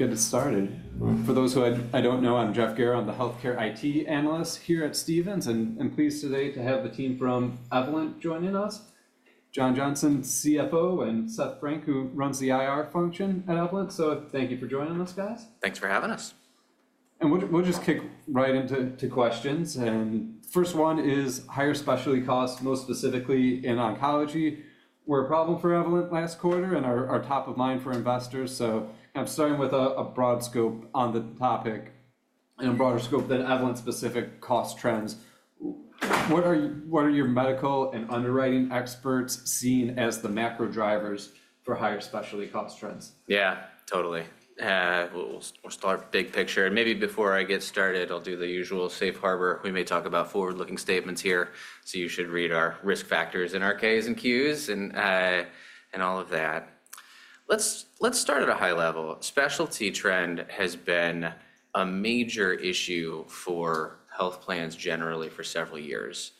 We'll get it started. For those who I don't know, I'm Jeff Garro. I'm the Healthcare IT Analyst here at Stephens. And I'm pleased today to have the team from Evolent joining us: John Johnson, CFO, and Seth Frank, who runs the IR function at Evolent. So thank you for joining us, guys. Thanks for having us. We'll just kick right into questions. The first one is higher specialty costs, most specifically in oncology. Were a problem for Evolent last quarter and are top of mind for investors. I'm starting with a broad scope on the topic and a broader scope than Evolent-specific cost trends. What are your medical and underwriting experts seeing as the macro drivers for higher specialty cost trends? Yeah, totally. We'll start big picture, and maybe before I get started, I'll do the usual safe harbor. We may talk about forward-looking statements here. So you should read our risk factors in our 10-Ks and 10-Qs and all of that. Let's start at a high level. Specialty trend has been a major issue for health plans generally for several years,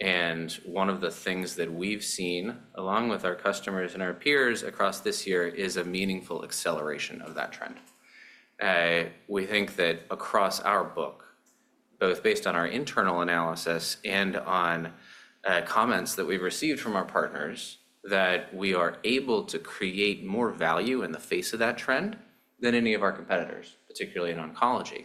and one of the things that we've seen, along with our customers and our peers across this year, is a meaningful acceleration of that trend. We think that across our book, both based on our internal analysis and on comments that we've received from our partners, that we are able to create more value in the face of that trend than any of our competitors, particularly in oncology,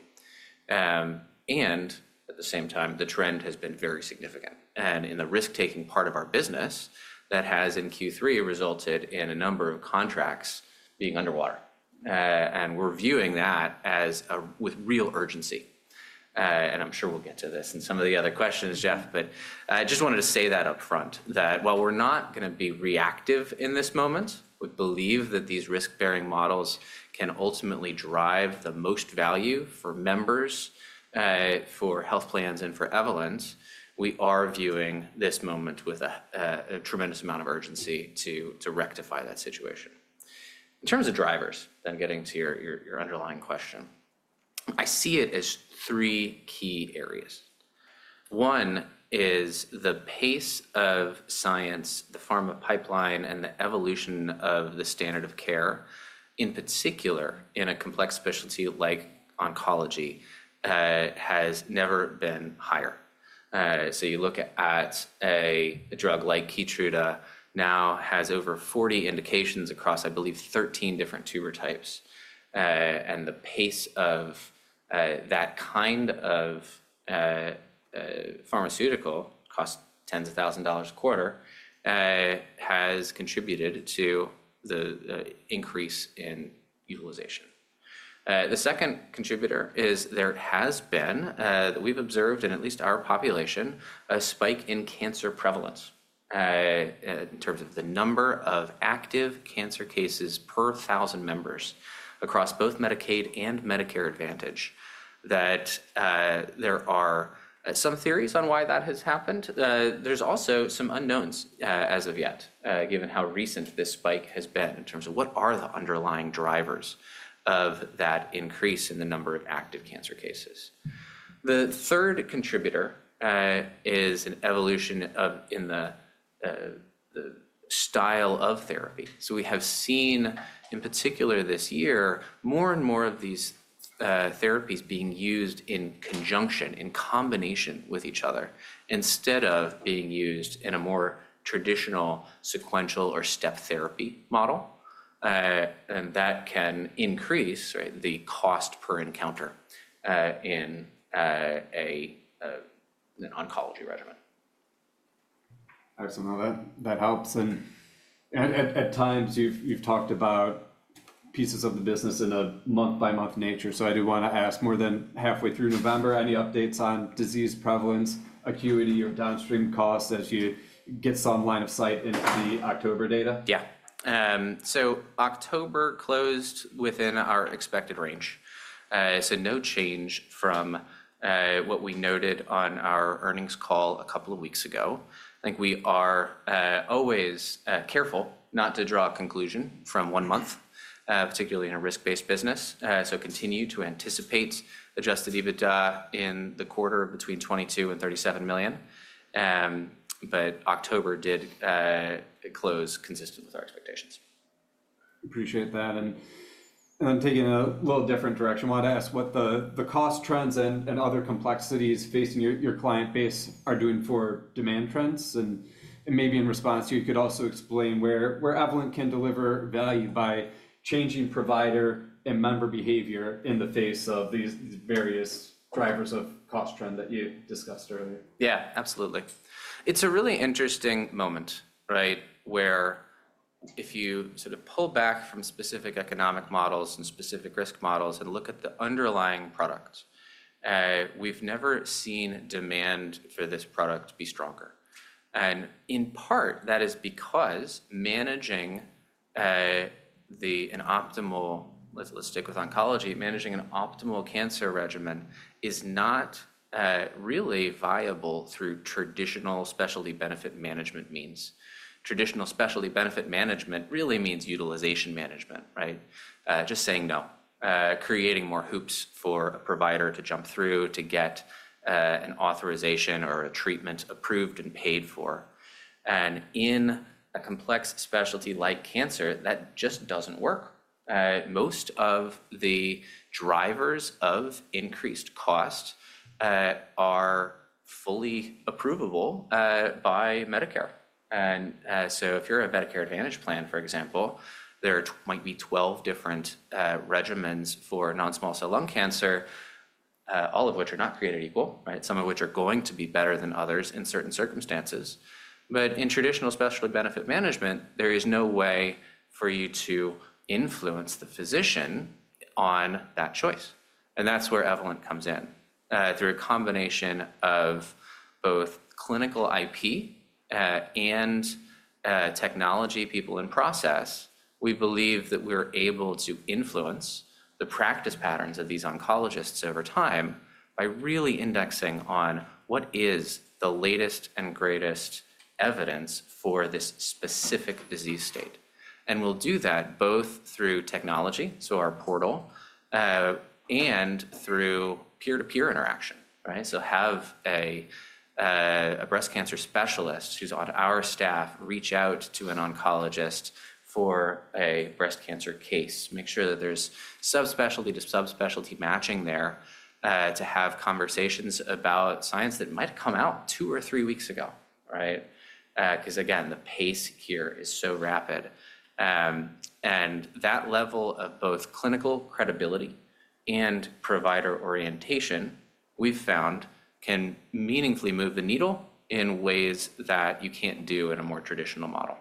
and at the same time, the trend has been very significant. In the risk-taking part of our business, that has in Q3 resulted in a number of contracts being underwater. We're viewing that with real urgency. I'm sure we'll get to this in some of the other questions, Jeff. But I just wanted to say that upfront, that while we're not going to be reactive in this moment, we believe that these risk-bearing models can ultimately drive the most value for members, for health plans, and for Evolent. We are viewing this moment with a tremendous amount of urgency to rectify that situation. In terms of drivers, then getting to your underlying question, I see it as three key areas. One is the pace of science, the pharma pipeline, and the evolution of the standard of care, in particular in a complex specialty like oncology, has never been higher. So you look at a drug like Keytruda now has over 40 indications across, I believe, 13 different tumor types. And the pace of that kind of pharmaceutical costs tens of thousands of dollars a quarter has contributed to the increase in utilization. The second contributor is there has been, we've observed in at least our population, a spike in cancer prevalence in terms of the number of active cancer cases per 1,000 members across both Medicaid and Medicare Advantage. There are some theories on why that has happened. There's also some unknowns as of yet, given how recent this spike has been in terms of what are the underlying drivers of that increase in the number of active cancer cases. The third contributor is an evolution in the style of therapy. So we have seen, in particular this year, more and more of these therapies being used in conjunction, in combination with each other, instead of being used in a more traditional sequential or step therapy model. And that can increase the cost per encounter in an oncology regimen. Excellent. That helps. And at times, you've talked about pieces of the business in a month-by-month nature. So I do want to ask more than halfway through November, any updates on disease prevalence, acuity, or downstream costs as you get some line of sight into the October data? Yeah. So October closed within our expected range. So no change from what we noted on our earnings call a couple of weeks ago. I think we are always careful not to draw a conclusion from one month, particularly in a risk-based business. So continue to anticipate adjusted EBITDA in the quarter between $22 million and $37 million. But October did close consistent with our expectations. Appreciate that and then taking a little different direction, I wanted to ask what the cost trends and other complexities facing your client base are doing for demand trends and maybe in response, you could also explain where Evolent can deliver value by changing provider and member behavior in the face of these various drivers of cost trend that you discussed earlier. Yeah, absolutely. It's a really interesting moment where if you sort of pull back from specific economic models and specific risk models and look at the underlying product, we've never seen demand for this product be stronger. And in part, that is because managing an optimal, let's stick with oncology, managing an optimal cancer regimen is not really viable through traditional specialty benefit management means. Traditional specialty benefit management really means utilization management, just saying no, creating more hoops for a provider to jump through to get an authorization or a treatment approved and paid for. And in a complex specialty like cancer, that just doesn't work. Most of the drivers of increased cost are fully approvable by Medicare. And so if you're a Medicare Advantage plan, for example, there might be 12 different regimens for non-small cell lung cancer, all of which are not created equal, some of which are going to be better than others in certain circumstances. But in traditional specialty benefit management, there is no way for you to influence the physician on that choice. And that's where Evolent comes in. Through a combination of both clinical IP and technology people in process, we believe that we're able to influence the practice patterns of these oncologists over time by really indexing on what is the latest and greatest evidence for this specific disease state. And we'll do that both through technology, so our portal, and through peer-to-peer interaction. So have a breast cancer specialist who's on our staff reach out to an oncologist for a breast cancer case, make sure that there's subspecialty to subspecialty matching there to have conversations about science that might have come out two or three weeks ago. Because again, the pace here is so rapid. And that level of both clinical credibility and provider orientation, we've found, can meaningfully move the needle in ways that you can't do in a more traditional model.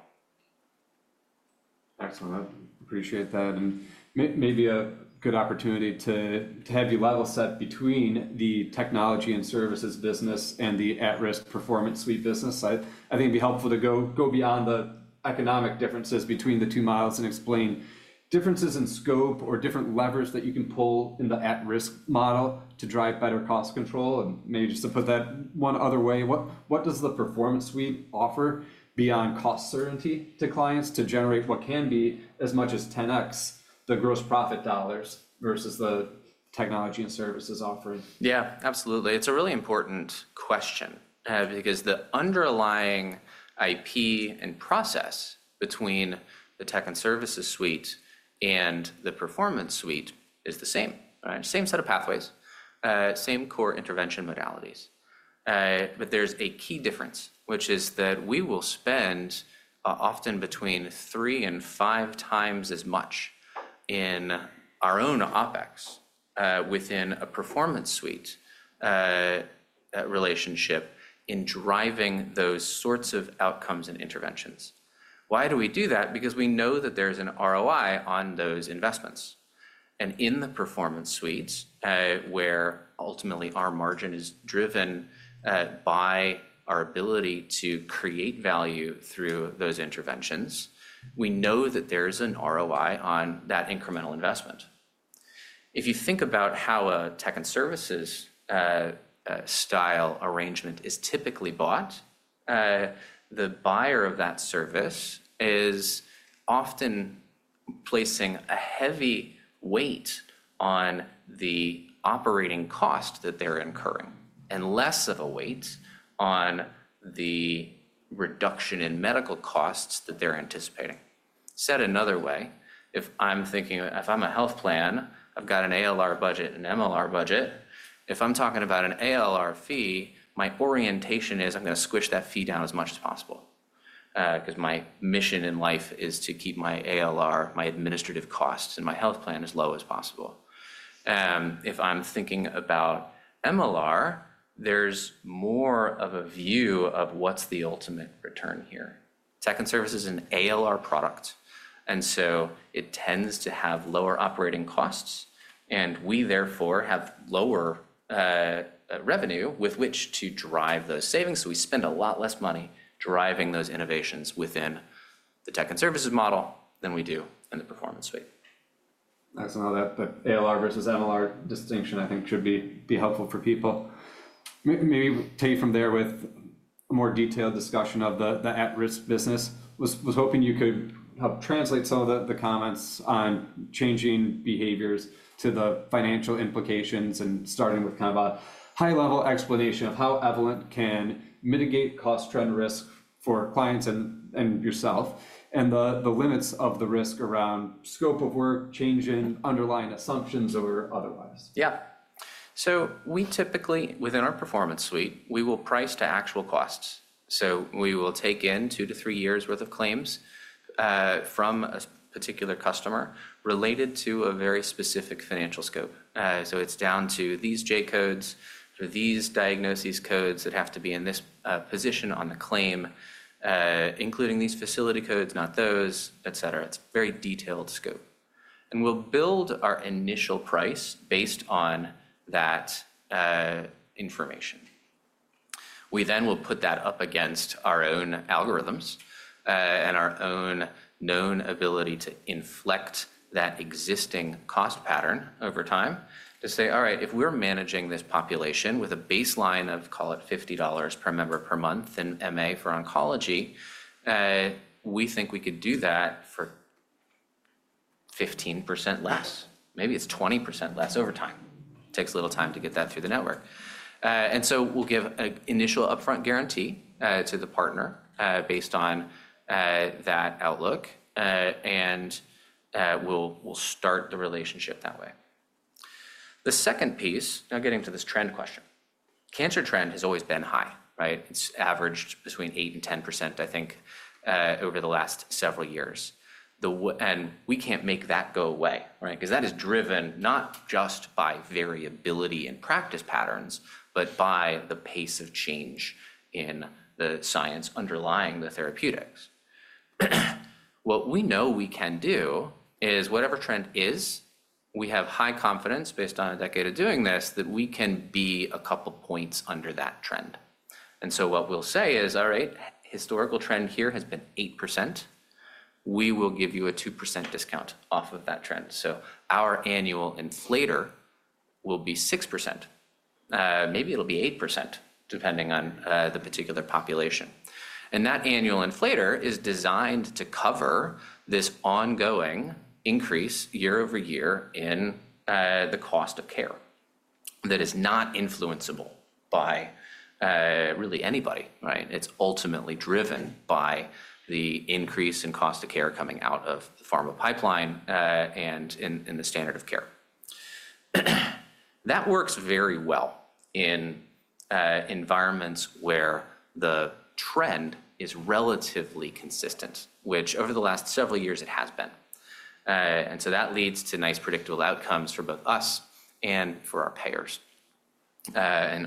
Excellent. Appreciate that. And maybe a good opportunity to have you level set between the technology and services business and the at-risk Performance Suite business. I think it'd be helpful to go beyond the economic differences between the two models and explain differences in scope or different levers that you can pull in the at-risk model to drive better cost control. And maybe just to put that one other way, what does the Performance Suite offer beyond cost certainty to clients to generate what can be as much as 10x the gross profit dollars versus the technology and services offering? Yeah, absolutely. It's a really important question because the underlying IP and process between the tech and services suite and the Performance Suite is the same. Same set of pathways, same core intervention modalities, but there's a key difference, which is that we will spend often between three and five times as much in our own OpEx within a Performance Suite relationship in driving those sorts of outcomes and interventions. Why do we do that? Because we know that there's an ROI on those investments, and in the Performance Suites, where ultimately our margin is driven by our ability to create value through those interventions, we know that there is an ROI on that incremental investment. If you think about how a tech and services style arrangement is typically bought, the buyer of that service is often placing a heavy weight on the operating cost that they're incurring and less of a weight on the reduction in medical costs that they're anticipating. Said another way, if I'm thinking, if I'm a health plan, I've got an ALR budget, an MLR budget. If I'm talking about an ALR fee, my orientation is I'm going to squish that fee down as much as possible because my mission in life is to keep my ALR, my administrative costs, and my health plan as low as possible. If I'm thinking about MLR, there's more of a view of what's the ultimate return here. Tech and services is an ALR product, and so it tends to have lower operating costs. And we, therefore, have lower revenue with which to drive those savings. So we spend a lot less money driving those innovations within the tech and services model than we do in the Performance Suite. Excellent. The ALR versus MLR distinction, I think, should be helpful for people. Maybe we'll take it from there with a more detailed discussion of the at-risk business. Was hoping you could help translate some of the comments on changing behaviors to the financial implications and starting with kind of a high-level explanation of how Evolent can mitigate cost trend risk for clients and yourself and the limits of the risk around scope of work, change in underlying assumptions or otherwise. Yeah. So we typically, within our Performance Suite, we will price to actual costs. So we will take in two to three years' worth of claims from a particular customer related to a very specific financial scope. So it's down to these J-codes or these diagnosis codes that have to be in this position on the claim, including these facility codes, not those, et cetera. It's a very detailed scope. And we'll build our initial price based on that information. We then will put that up against our own algorithms and our own known ability to inflect that existing cost pattern over time to say, all right, if we're managing this population with a baseline of, call it $50 per member per month in MA for oncology, we think we could do that for 15% less. Maybe it's 20% less over time. Takes a little time to get that through the network. And so we'll give an initial upfront guarantee to the partner based on that outlook. And we'll start the relationship that way. The second piece, now getting to this trend question, cancer trend has always been high. It's averaged between 8% and 10%, I think, over the last several years. And we can't make that go away because that is driven not just by variability in practice patterns, but by the pace of change in the science underlying the therapeutics. What we know we can do is whatever trend is, we have high confidence based on a decade of doing this that we can be a couple of points under that trend. And so what we'll say is, all right, historical trend here has been 8%. We will give you a 2% discount off of that trend. Our annual inflator will be 6%. Maybe it'll be 8%, depending on the particular population. That annual inflator is designed to cover this ongoing increase year-over-year in the cost of care that is not influenceable by really anybody. It's ultimately driven by the increase in cost of care coming out of the pharma pipeline and in the standard of care. That works very well in environments where the trend is relatively consistent, which over the last several years it has been. That leads to nice predictable outcomes for both us and for our payers.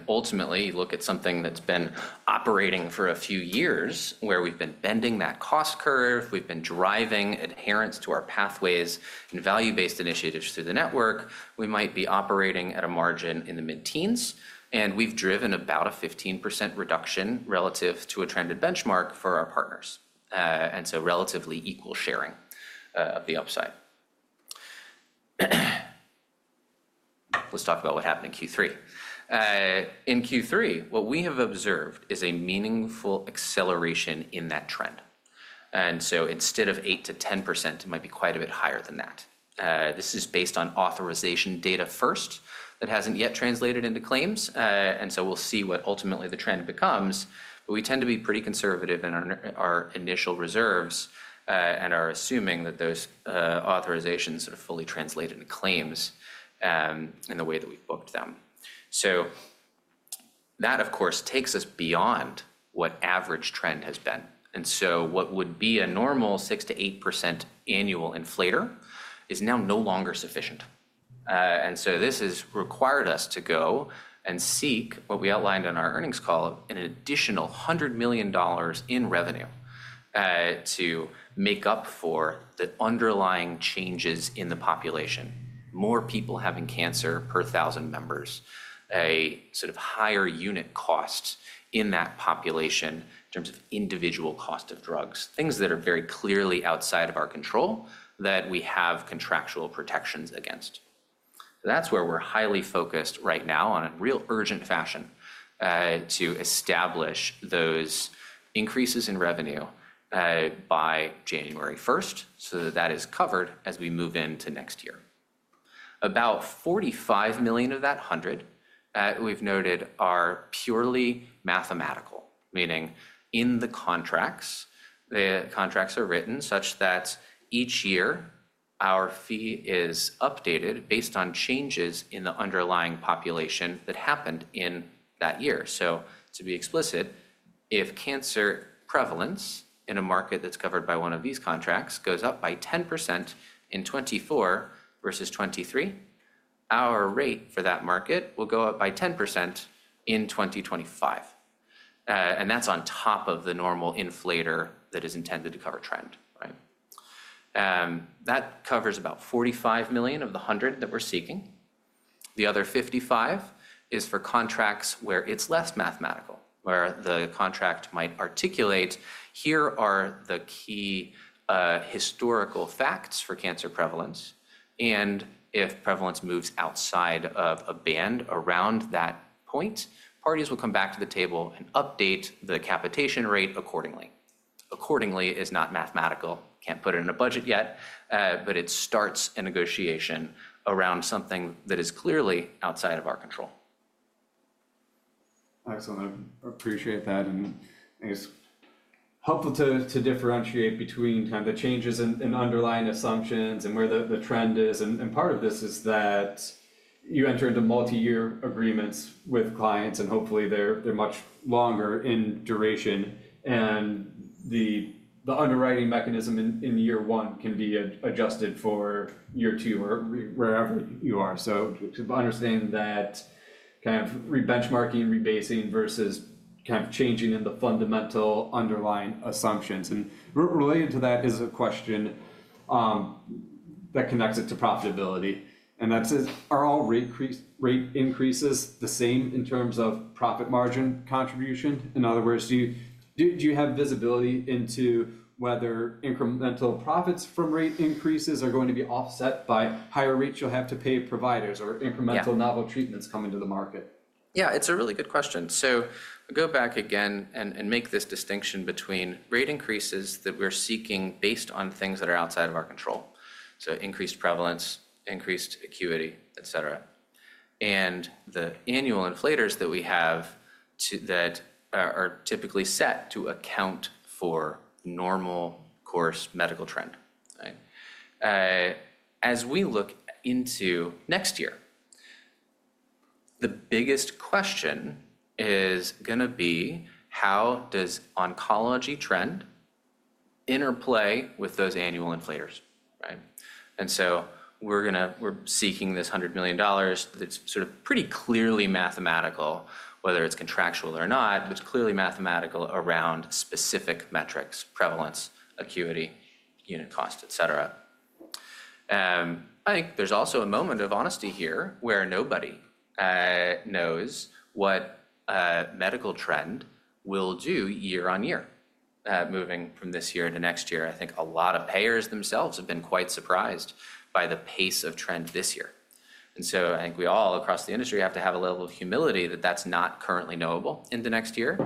Ultimately, you look at something that's been operating for a few years where we've been bending that cost curve, we've been driving adherence to our pathways and value-based initiatives through the network, we might be operating at a margin in the mid-teens. And we've driven about a 15% reduction relative to a trended benchmark for our partners. And so relatively equal sharing of the upside. Let's talk about what happened in Q3. In Q3, what we have observed is a meaningful acceleration in that trend. And so instead of 8%-10%, it might be quite a bit higher than that. This is based on authorization data first that hasn't yet translated into claims. And so we'll see what ultimately the trend becomes. But we tend to be pretty conservative in our initial reserves and are assuming that those authorizations are fully translated into claims in the way that we booked them. So that, of course, takes us beyond what average trend has been. And so what would be a normal 6%-8% annual inflator is now no longer sufficient. And so this has required us to go and seek what we outlined on our earnings call, an additional $100 million in revenue to make up for the underlying changes in the population, more people having cancer per 1,000 members, a sort of higher unit cost in that population in terms of individual cost of drugs, things that are very clearly outside of our control that we have contractual protections against. That's where we're highly focused right now on a real urgent fashion to establish those increases in revenue by January 1st so that that is covered as we move into next year. About $45 million of that $100 million we've noted are purely mathematical, meaning in the contracts, the contracts are written such that each year our fee is updated based on changes in the underlying population that happened in that year. So to be explicit, if cancer prevalence in a market that's covered by one of these contracts goes up by 10% in 2024 versus 2023, our rate for that market will go up by 10% in 2025. And that's on top of the normal inflator that is intended to cover trend. That covers about $45 million of the $100 million that we're seeking. The other $55 million is for contracts where it's less mathematical, where the contract might articulate, here are the key historical facts for cancer prevalence. And if prevalence moves outside of a band around that point, parties will come back to the table and update the capitation rate accordingly. Accordingly is not mathematical. Can't put it in a budget yet. But it starts a negotiation around something that is clearly outside of our control. Excellent. I appreciate that. It's helpful to differentiate between kind of the changes in underlying assumptions and where the trend is. Part of this is that you enter into multi-year agreements with clients, and hopefully they're much longer in duration. The underwriting mechanism in year one can be adjusted for year two or wherever you are. Understanding that kind of re-benchmarking, rebasing versus kind of changing in the fundamental underlying assumptions. Related to that is a question that connects it to profitability. That says, are all rate increases the same in terms of profit margin contribution? In other words, do you have visibility into whether incremental profits from rate increases are going to be offset by higher rates you'll have to pay providers or incremental novel treatments coming to the market? Yeah, it's a really good question. So go back again and make this distinction between rate increases that we're seeking based on things that are outside of our control. So increased prevalence, increased acuity, et cetera. And the annual inflators that we have that are typically set to account for normal course medical trend. As we look into next year, the biggest question is going to be, how does oncology trend interplay with those annual inflators? And so we're seeking this $100 million. It's sort of pretty clearly mathematical, whether it's contractual or not, but it's clearly mathematical around specific metrics, prevalence, acuity, unit cost, et cetera. I think there's also a moment of honesty here where nobody knows what medical trend will do year on year, moving from this year into next year. I think a lot of payers themselves have been quite surprised by the pace of trend this year, and so I think we all across the industry have to have a level of humility that that's not currently knowable in the next year,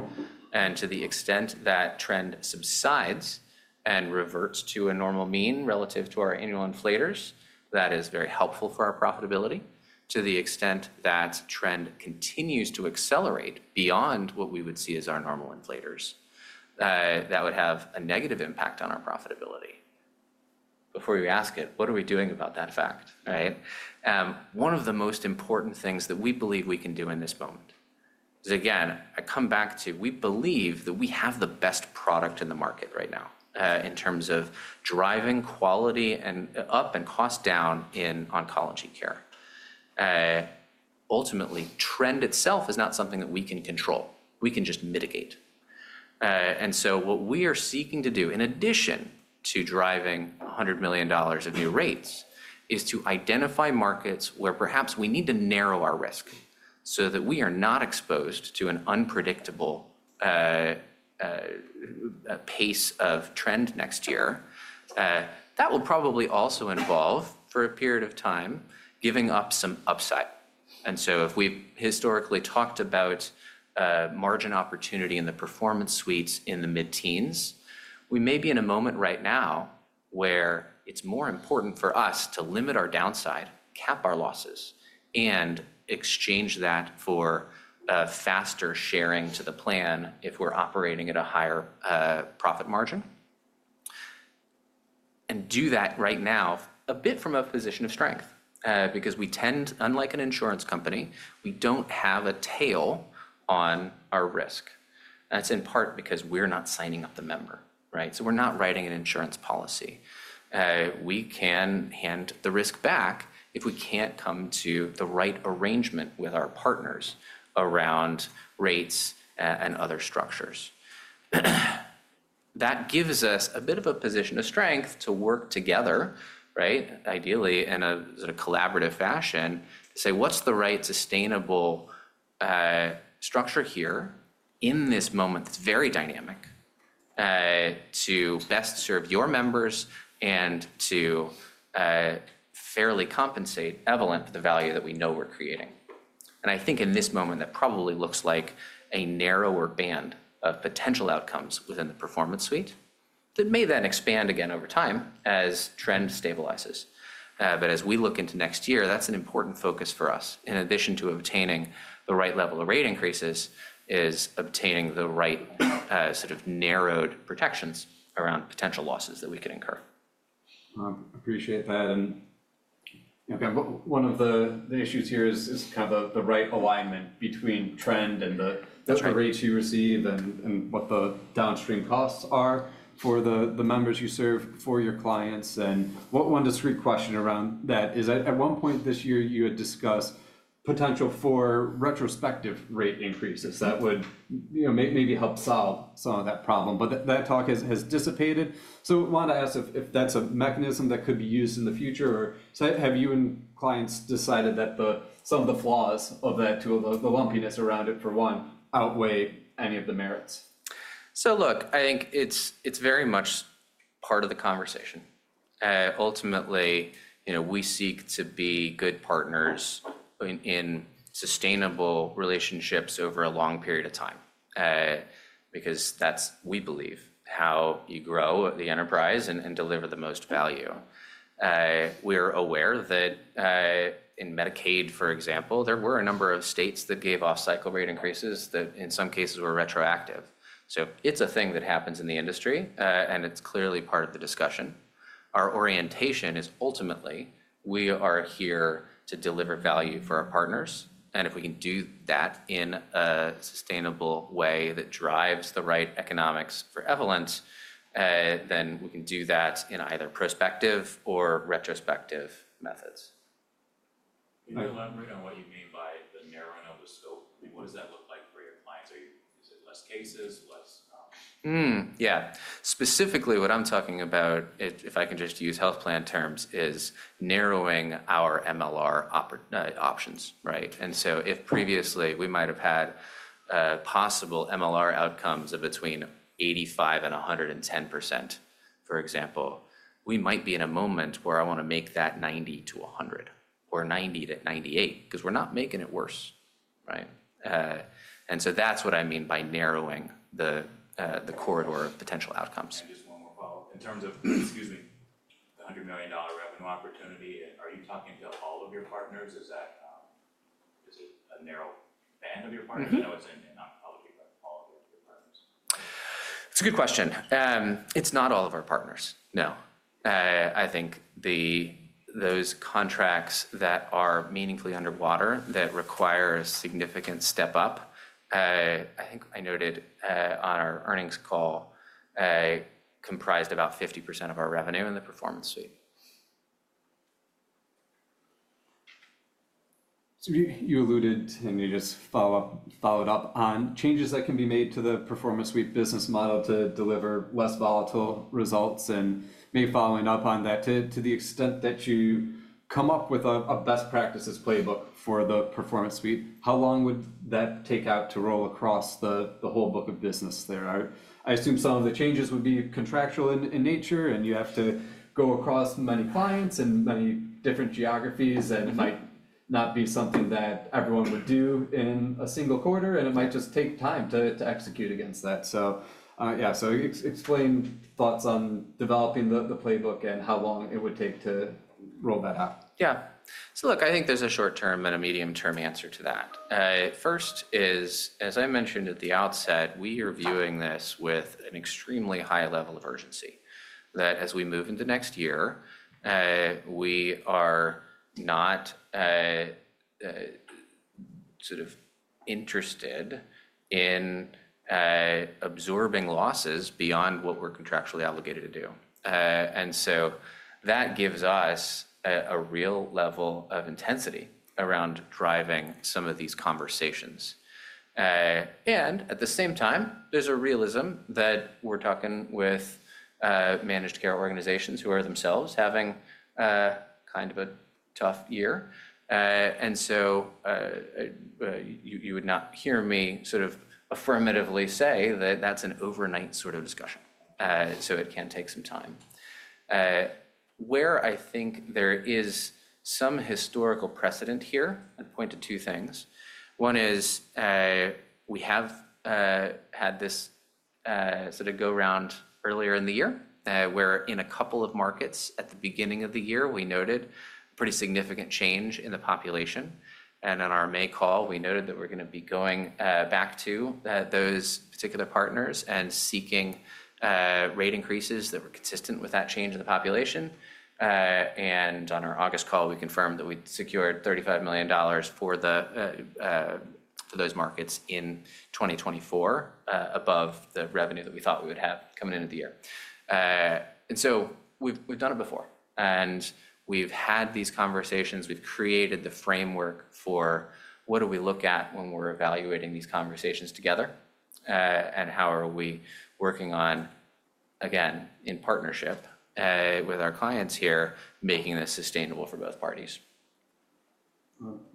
and to the extent that trend subsides and reverts to a normal mean relative to our annual inflators, that is very helpful for our profitability. To the extent that trend continues to accelerate beyond what we would see as our normal inflators, that would have a negative impact on our profitability. Before you ask it, what are we doing about that fact? One of the most important things that we believe we can do in this moment is, again, I come back to we believe that we have the best product in the market right now in terms of driving quality up and cost down in oncology care. Ultimately, trend itself is not something that we can control. We can just mitigate, and so what we are seeking to do, in addition to driving $100 million of new rates, is to identify markets where perhaps we need to narrow our risk so that we are not exposed to an unpredictable pace of trend next year. That will probably also involve, for a period of time, giving up some upside. And so if we've historically talked about margin opportunity in the Performance Suites in the mid-teens, we may be in a moment right now where it's more important for us to limit our downside, cap our losses, and exchange that for faster sharing to the plan if we're operating at a higher profit margin. And do that right now a bit from a position of strength because we tend, unlike an insurance company, we don't have a tail on our risk. That's in part because we're not signing up the member. So we're not writing an insurance policy. We can hand the risk back if we can't come to the right arrangement with our partners around rates and other structures. That gives us a bit of a position of strength to work together, ideally, in a sort of collaborative fashion, to say, what's the right sustainable structure here in this moment that's very dynamic to best serve your members and to fairly compensate Evolent for the value that we know we're creating? And I think in this moment, that probably looks like a narrower band of potential outcomes within the Performance Suite that may then expand again over time as trend stabilizes. But as we look into next year, that's an important focus for us. In addition to obtaining the right level of rate increases, it is obtaining the right sort of narrowed protections around potential losses that we can incur. I appreciate that. And one of the issues here is kind of the right alignment between trend and the rates you receive and what the downstream costs are for the members you serve for your clients. And one discrete question around that is, at one point this year, you had discussed potential for retrospective rate increases that would maybe help solve some of that problem. But that talk has dissipated. So I wanted to ask if that's a mechanism that could be used in the future. Or have you and clients decided that some of the flaws of that, the lumpiness around it, for one, outweigh any of the merits? So look, I think it's very much part of the conversation. Ultimately, we seek to be good partners in sustainable relationships over a long period of time because that's, we believe, how you grow the enterprise and deliver the most value. We are aware that in Medicaid, for example, there were a number of states that gave off-cycle rate increases that in some cases were retroactive. So it's a thing that happens in the industry, and it's clearly part of the discussion. Our orientation is ultimately, we are here to deliver value for our partners. And if we can do that in a sustainable way that drives the right economics for Evolent, then we can do that in either prospective or retrospective methods. Can you elaborate on what you mean by the narrowing of the scope? What does that look like for your clients? Is it less cases? Yeah. Specifically, what I'm talking about, if I can just use health plan terms, is narrowing our MLR options. And so if previously we might have had possible MLR outcomes of between 85% and 110%, for example, we might be in a moment where I want to make that 90% to 100% or 90% to 98% because we're not making it worse. And so that's what I mean by narrowing the corridor of potential outcomes. Just one more follow-up. In terms of, excuse me, the $100 million revenue opportunity, are you talking to all of your partners? Is it a narrow band of your partners? I know it's in oncology, but all of your partners? It's a good question. It's not all of our partners, no. I think those contracts that are meaningfully underwater that require a significant step up, I think I noted on our earnings call, comprised about 50% of our revenue in the Performance Suite. So you alluded and you just followed up on changes that can be made to the Performance Suite business model to deliver less volatile results. And maybe following up on that, to the extent that you come up with a best practices playbook for the Performance Suite, how long would that take out to roll across the whole book of business there? I assume some of the changes would be contractual in nature, and you have to go across many clients and many different geographies, and it might not be something that everyone would do in a single quarter, and it might just take time to execute against that. So yeah, so explain thoughts on developing the playbook and how long it would take to roll that out. Yeah. So look, I think there's a short-term and a medium-term answer to that. First is, as I mentioned at the outset, we are viewing this with an extremely high level of urgency that as we move into next year, we are not sort of interested in absorbing losses beyond what we're contractually obligated to do. And so that gives us a real level of intensity around driving some of these conversations. And at the same time, there's a realism that we're talking with managed care organizations who are themselves having kind of a tough year. And so you would not hear me sort of affirmatively say that that's an overnight sort of discussion. So it can take some time. Where I think there is some historical precedent here, I'd point to two things. One is we have had this sort of go-round earlier in the year where in a couple of markets at the beginning of the year, we noted a pretty significant change in the population. And on our May call, we noted that we're going to be going back to those particular partners and seeking rate increases that were consistent with that change in the population. And on our August call, we confirmed that we'd secured $35 million for those markets in 2024 above the revenue that we thought we would have coming into the year. And so we've done it before. And we've had these conversations. We've created the framework for what do we look at when we're evaluating these conversations together and how are we working on, again, in partnership with our clients here, making this sustainable for both parties.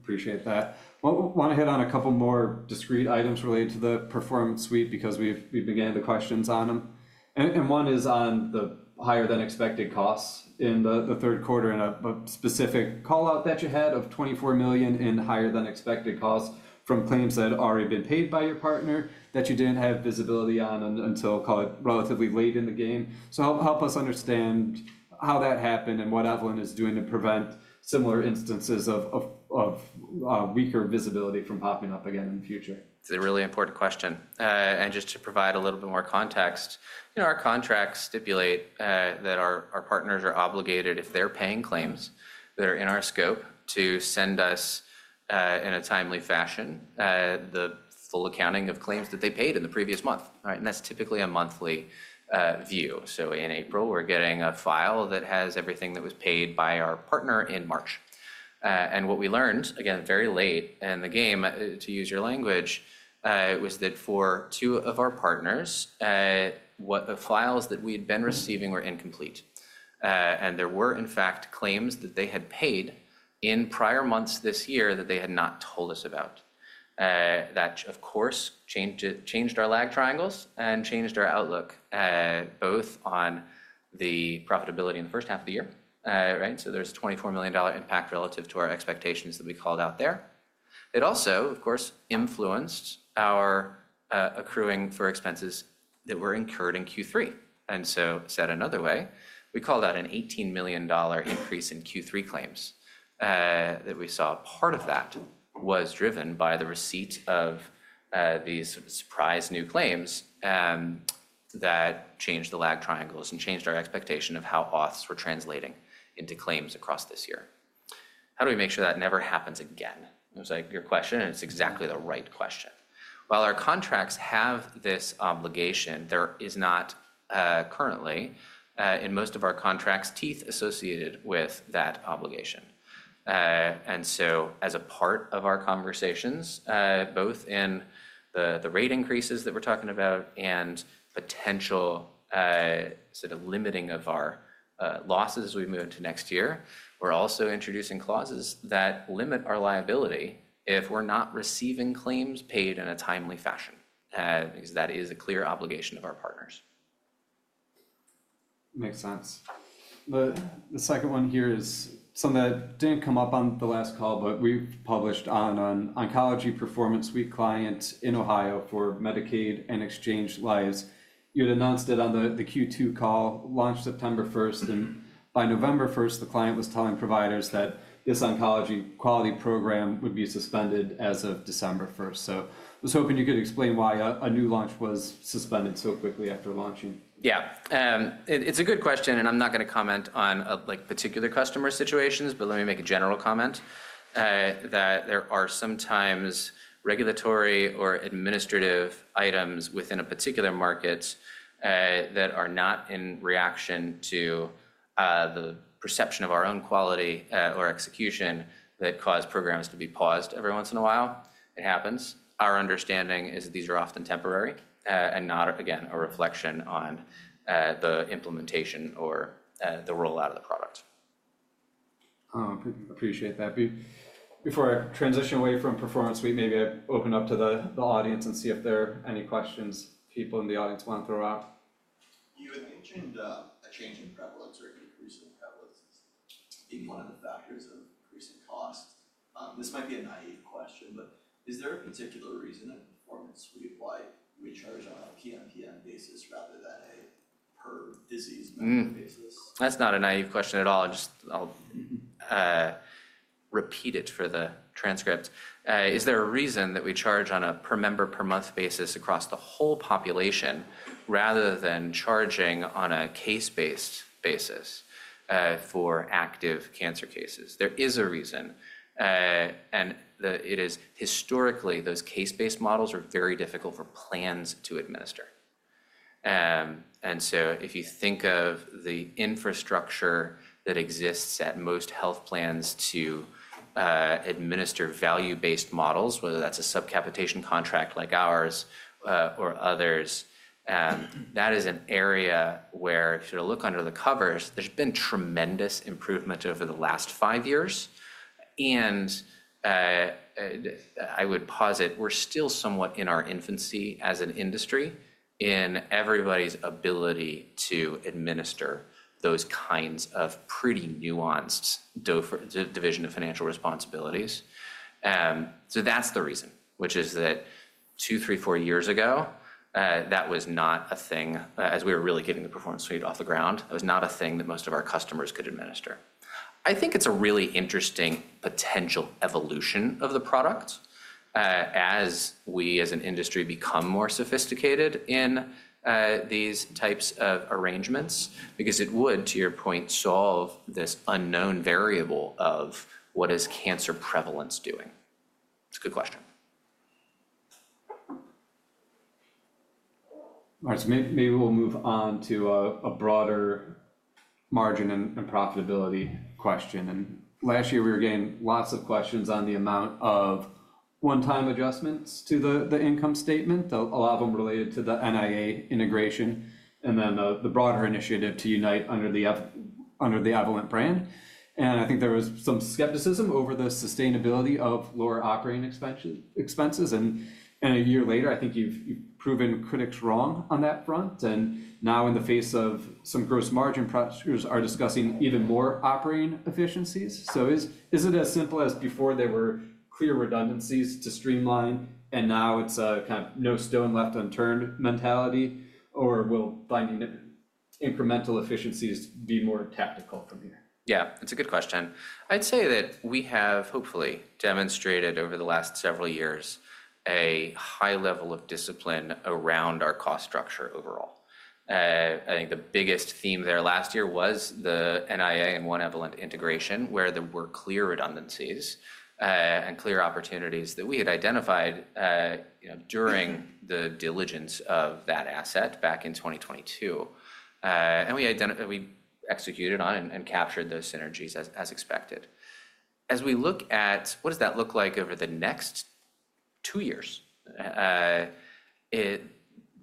Appreciate that. I want to hit on a couple more discrete items related to the Performance Suite because we began to question on them. And one is on the higher-than-expected costs in the Q3 and a specific callout that you had of $24 million in higher-than-expected costs from claims that had already been paid by your partner that you didn't have visibility on until relatively late in the game. So help us understand how that happened and what Evolent is doing to prevent similar instances of weaker visibility from popping up again in the future. It's a really important question. And just to provide a little bit more context, our contracts stipulate that our partners are obligated, if they're paying claims that are in our scope, to send us in a timely fashion the full accounting of claims that they paid in the previous month. And that's typically a monthly view. So in April, we're getting a file that has everything that was paid by our partner in March. And what we learned, again, very late in the game, to use your language, was that for two of our partners, the files that we had been receiving were incomplete. And there were, in fact, claims that they had paid in prior months this year that they had not told us about. That, of course, changed our lag triangles and changed our outlook, both on the profitability in the H1 of the year. So there's a $24 million impact relative to our expectations that we called out there. It also, of course, influenced our accruing for expenses that were incurred in Q3. And so, said another way, we called out an $18 million increase in Q3 claims that we saw. Part of that was driven by the receipt of these surprise new claims that changed the lag triangles and changed our expectation of how auths were translating into claims across this year. How do we make sure that never happens again? It was like your question, and it's exactly the right question. While our contracts have this obligation, there is not currently, in most of our contracts, teeth associated with that obligation. And so, as a part of our conversations, both in the rate increases that we're talking about and potential sort of limiting of our losses as we move into next year, we're also introducing clauses that limit our liability if we're not receiving claims paid in a timely fashion because that is a clear obligation of our partners. Makes sense. The second one here is something that didn't come up on the last call, but we published on an oncology Performance Suite client in Ohio for Medicaid and exchange lines. You had announced it on the Q2 call, launched September 1st, and by November 1st, the client was telling providers that this oncology quality program would be suspended as of December 1st. So I was hoping you could explain why a new launch was suspended so quickly after launching. Yeah. It's a good question, and I'm not going to comment on particular customer situations, but let me make a general comment that there are sometimes regulatory or administrative items within a particular market that are not in reaction to the perception of our own quality or execution that cause programs to be paused every once in a while. It happens. Our understanding is that these are often temporary and not, again, a reflection on the implementation or the rollout of the product. I appreciate that. Before I transition away from Performance Suite, maybe I open up to the audience and see if there are any questions people in the audience want to throw out. You had mentioned a change in prevalence or increase in prevalence being one of the factors of increasing costs. This might be a naive question, but is there a particular reason in Performance Suite why we charge on a PMPM basis rather than a per-disease member basis? That's not a naive question at all. I'll just repeat it for the transcript. Is there a reason that we charge on a per-member-per-month basis across the whole population rather than charging on a case-based basis for active cancer cases? There is a reason. And it is historically, those case-based models are very difficult for plans to administer. And so if you think of the infrastructure that exists at most health plans to administer value-based models, whether that's a subcapitation contract like ours or others, that is an area where, if you look under the covers, there's been tremendous improvement over the last five years. And I would posit we're still somewhat in our infancy as an industry in everybody's ability to administer those kinds of pretty nuanced division of financial responsibilities. So that's the reason, which is that two, three, four years ago, that was not a thing as we were really getting the Performance Suite off the ground. That was not a thing that most of our customers could administer. I think it's a really interesting potential evolution of the product as we, as an industry, become more sophisticated in these types of arrangements because it would, to your point, solve this unknown variable of what is cancer prevalence doing. It's a good question. All right. So maybe we'll move on to a broader margin and profitability question. And last year, we were getting lots of questions on the amount of one-time adjustments to the income statement, a lot of them related to the NIA integration and then the broader initiative to unite under the Evolent brand. And I think there was some skepticism over the sustainability of lower operating expenses. And a year later, I think you've proven critics wrong on that front. And now, in the face of some gross margin pressures, are discussing even more operating efficiencies. So is it as simple as before there were clear redundancies to streamline, and now it's a kind of no stone left unturned mentality, or will finding incremental efficiencies be more tactical from here? Yeah. It's a good question. I'd say that we have hopefully demonstrated over the last several years a high level of discipline around our cost structure overall. I think the biggest theme there last year was the NIA and One Evolent integration where there were clear redundancies and clear opportunities that we had identified during the diligence of that asset back in 2022. And we executed on and captured those synergies as expected. As we look at what does that look like over the next two years,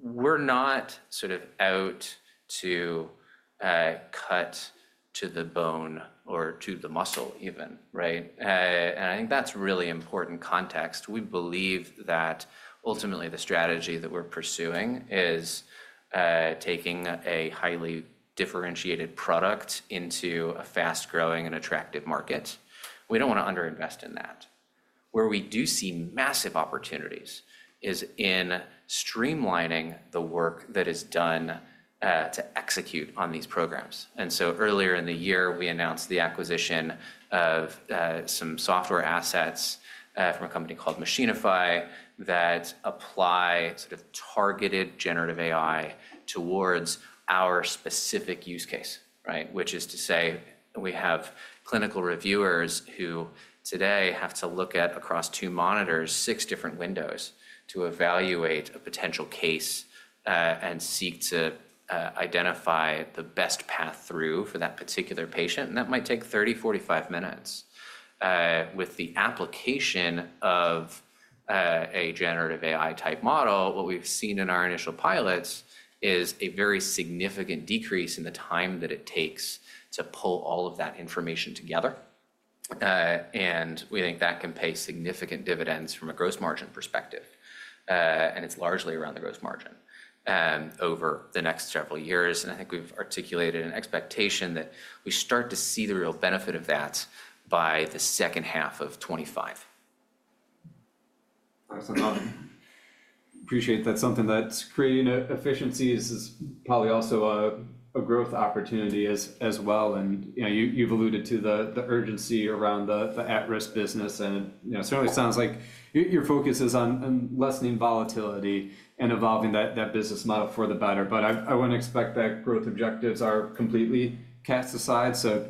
we're not sort of out to cut to the bone or to the muscle even. And I think that's really important context. We believe that ultimately the strategy that we're pursuing is taking a highly differentiated product into a fast-growing and attractive market. We don't want to underinvest in that. Where we do see massive opportunities is in streamlining the work that is done to execute on these programs, and so earlier in the year, we announced the acquisition of some software assets from a company called Machinify that apply sort of targeted generative AI towards our specific use case, which is to say we have clinical reviewers who today have to look at, across two monitors, six different windows to evaluate a potential case and seek to identify the best path through for that particular patient, and that might take 30, 45 minutes. With the application of a generative AI-type model, what we've seen in our initial pilots is a very significant decrease in the time that it takes to pull all of that information together, and we think that can pay significant dividends from a gross margin perspective. It's largely around the gross margin over the next several years. I think we've articulated an expectation that we start to see the real benefit of that by the H2 of 2025. That's a lot. Appreciate that. Something that's creating efficiencies is probably also a growth opportunity as well. And you've alluded to the urgency around the at-risk business. And it certainly sounds like your focus is on lessening volatility and evolving that business model for the better. But I wouldn't expect that growth objectives are completely cast aside. So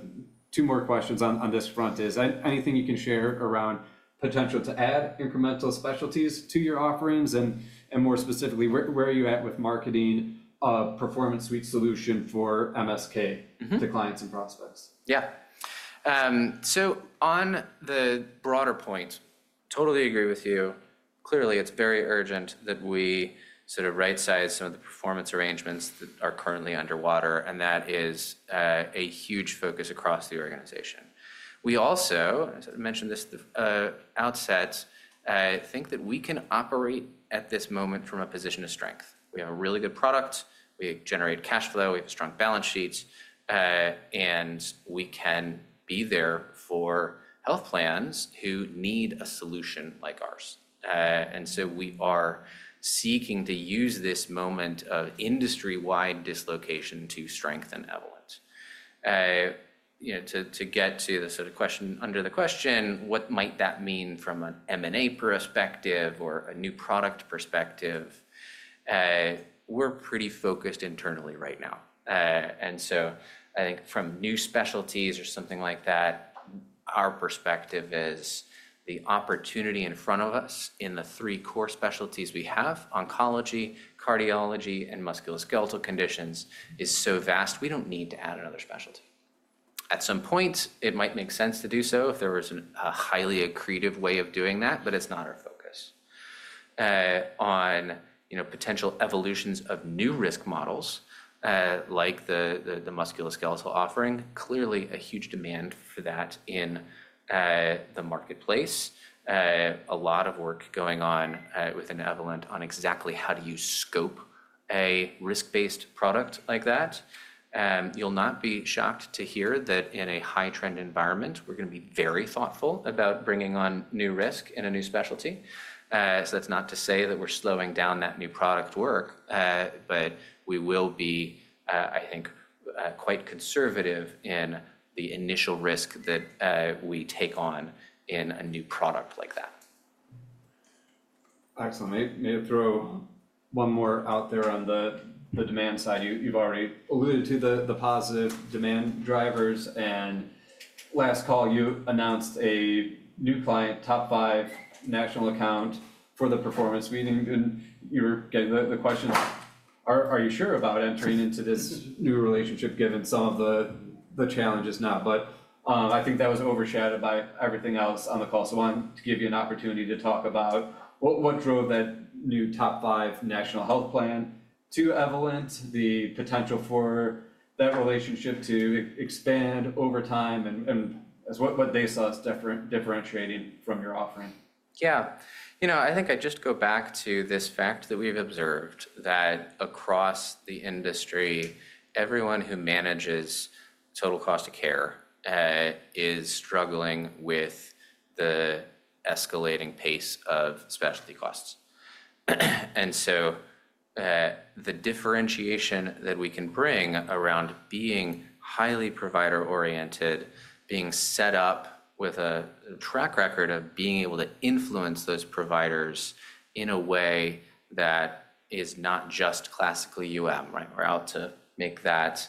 two more questions on this front is anything you can share around potential to add incremental specialties to your offerings? And more specifically, where are you at with marketing a performance suite solution for MSK to clients and prospects? Yeah. So on the broader point, totally agree with you. Clearly, it's very urgent that we sort of right-size some of the performance arrangements that are currently underwater, and that is a huge focus across the organization. We also, as I mentioned this at the outset, think that we can operate at this moment from a position of strength. We have a really good product. We generate cash flow. We have strong balance sheets, and we can be there for health plans who need a solution like ours, and so we are seeking to use this moment of industry-wide dislocation to strengthen Evolent. To get to the sort of question under the question, what might that mean from an M&A perspective or a new product perspective? We're pretty focused internally right now. And so I think from new specialties or something like that, our perspective is the opportunity in front of us in the three core specialties we have, oncology, cardiology, and musculoskeletal conditions, is so vast, we don't need to add another specialty. At some point, it might make sense to do so if there was a highly accretive way of doing that, but it's not our focus. On potential evolutions of new risk models like the musculoskeletal offering, clearly a huge demand for that in the marketplace. A lot of work going on within Evolent on exactly how do you scope a risk-based product like that. You'll not be shocked to hear that in a high-trend environment, we're going to be very thoughtful about bringing on new risk in a new specialty. That's not to say that we're slowing down that new product work, but we will be, I think, quite conservative in the initial risk that we take on in a new product like that. Excellent. Maybe throw one more out there on the demand side. You've already alluded to the positive demand drivers, and last call, you announced a new client, top five national account for the Performance Suite. And you were getting the question, are you sure about entering into this new relationship given some of the challenges now, but I think that was overshadowed by everything else on the call, so I want to give you an opportunity to talk about what drove that new top five national health plan to Evolent, the potential for that relationship to expand over time and what they saw as differentiating from your offering. Yeah. You know, I think I just go back to this fact that we've observed that across the industry, everyone who manages total cost of care is struggling with the escalating pace of specialty costs. And so the differentiation that we can bring around being highly provider-oriented, being set up with a track record of being able to influence those providers in a way that is not just classically we're out to make that,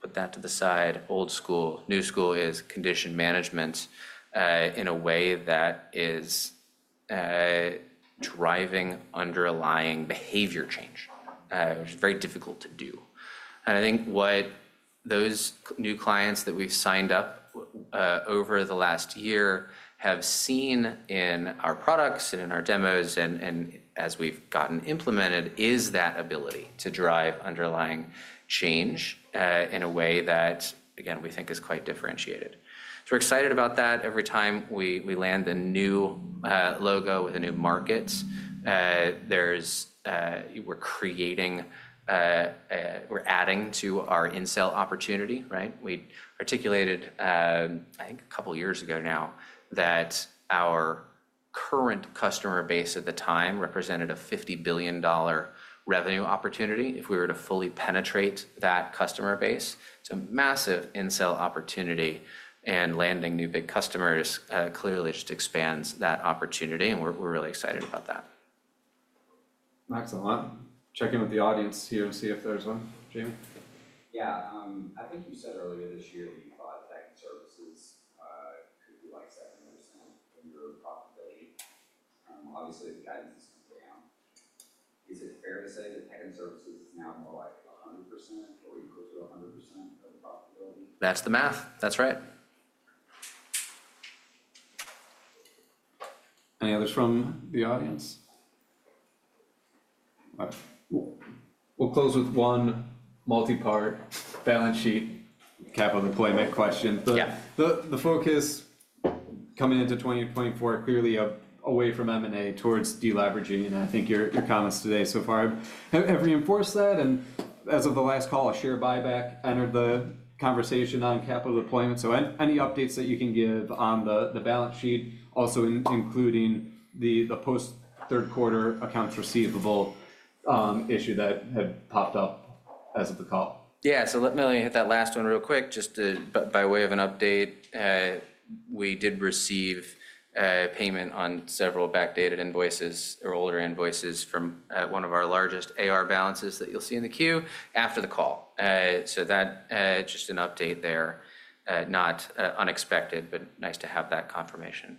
put that to the side, old school. New school is condition management in a way that is driving underlying behavior change, which is very difficult to do. And I think what those new clients that we've signed up over the last year have seen in our products and in our demos and as we've gotten implemented is that ability to drive underlying change in a way that, again, we think is quite differentiated. So we're excited about that. Every time we land a new logo with a new market, we're creating, we're adding to our in-sale opportunity. We articulated, I think, a couple of years ago now that our current customer base at the time represented a $50 billion revenue opportunity if we were to fully penetrate that customer base. It's a massive in-sale opportunity and landing new big customers clearly just expands that opportunity. And we're really excited about that. Excellent. Checking with the audience here to see if there's one. Jamie? Yeah. I think you said earlier this year that you thought tech and services could be like 70% of your profitability. Obviously, the guidance is down. Is it fair to say that tech and services is now more like 100% or equal to 100%? That's the math. That's right. Any others from the audience? We'll close with one multi-part balance sheet capital deployment question. The focus coming into 2024, clearly away from M&A towards deleveraging. And I think your comments today so far have reinforced that. And as of the last call, a share buyback entered the conversation on capital deployment. So any updates that you can give on the balance sheet, also including the post-Q3 accounts receivable issue that had popped up as of the call? Yeah. So let me hit that last one real quick, just by way of an update. We did receive payment on several backdated invoices or older invoices from one of our largest AR balances that you'll see in the queue after the call. So that's just an update there, not unexpected, but nice to have that confirmation.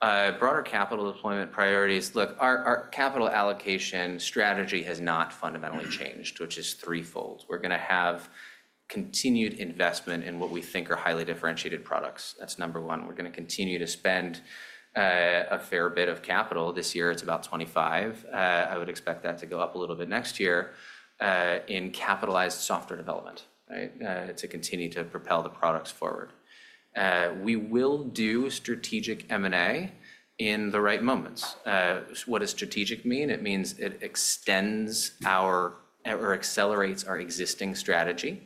Broader capital deployment priorities. Look, our capital allocation strategy has not fundamentally changed, which is threefold. We're going to have continued investment in what we think are highly differentiated products. That's number one. We're going to continue to spend a fair bit of capital. This year, it's about 25. I would expect that to go up a little bit next year in capitalized software development to continue to propel the products forward. We will do strategic M&A in the right moments. What does strategic mean? It means it extends our or accelerates our existing strategy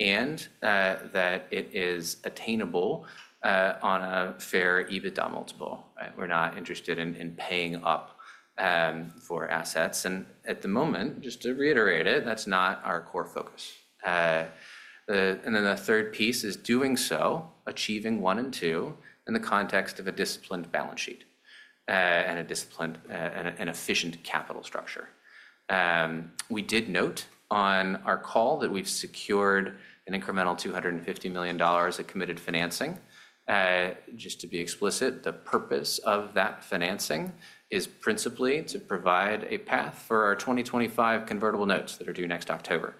and that it is attainable on a fair EBITDA multiple. We're not interested in paying up for assets. And at the moment, just to reiterate it, that's not our core focus. And then the third piece is doing so, achieving one and two in the context of a disciplined balance sheet and a disciplined and efficient capital structure. We did note on our call that we've secured an incremental $250 million of committed financing. Just to be explicit, the purpose of that financing is principally to provide a path for our 2025 convertible notes that are due next October.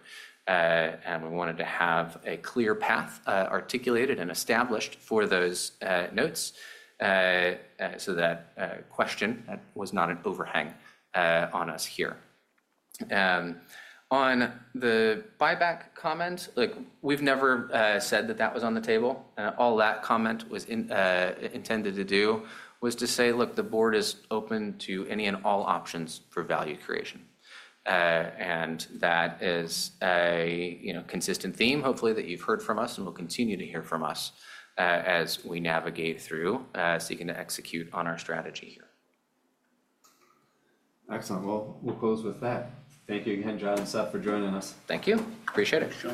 And we wanted to have a clear path articulated and established for those notes so that question was not an overhang on us here. On the buyback comment, we've never said that that was on the table. All that comment was intended to do was to say, look, the board is open to any and all options for value creation, and that is a consistent theme, hopefully, that you've heard from us and will continue to hear from us as we navigate through seeking to execute on our strategy here. Excellent. Well, we'll close with that. Thank you again, John and Seth, for joining us. Thank you. Appreciate it.